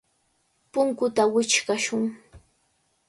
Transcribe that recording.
Punkuta wichqashun.